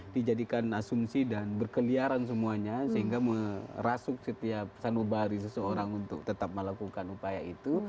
dijadikan asumsi dan berkeliaran semuanya sehingga merasuk setiap sanubari seseorang untuk tetap melakukan upaya itu